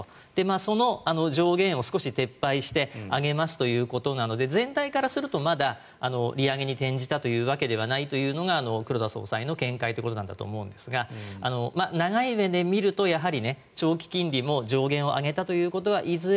その上限を少し撤廃して上げますということなので全体からするとまだ利上げに転じたというわけではないというのが黒田総裁の見解ということなんだと思いますが長い目で見ると、長期金利も上限を上げたということはいずれ